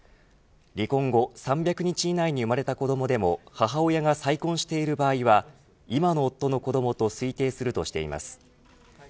離婚後３００日以内に生まれた子どもでも母親が再婚している場合は今の夫の子どもと推定するとしています。